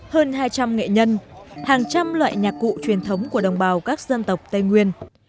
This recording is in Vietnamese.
hơn hai trăm linh nghệ nhân hàng trăm loại nhạc cụ truyền thống của đồng bào các dân tộc tây nguyên